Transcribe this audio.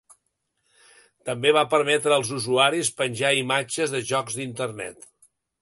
També va permetre als usuaris penjar imatges de jocs d'Internet.